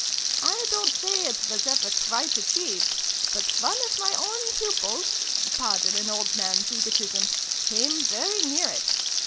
I don't say it was ever quite achieved : but one of my own pupils (pardon an old man's egotism) came very near it.